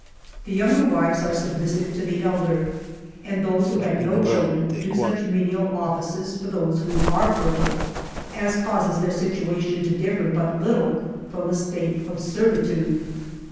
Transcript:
The younger wives are submissive to the elder: and those who have no children, do such menial offices for those who are fertile, as causes their situation to differ but little from a state of servitude.